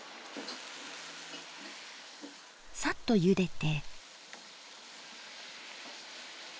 サッとゆでて。